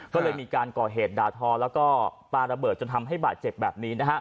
ก็เลยมีการก่อเหตุด่าทอแล้วก็ปลาระเบิดจนทำให้บาดเจ็บแบบนี้นะฮะ